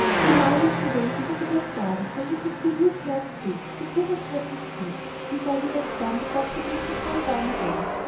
He now limped away into the back garden, where he picked a new pair of boots that would not hurt his feet; and while he was gone the dog began to fall down again.